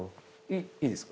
いいですか？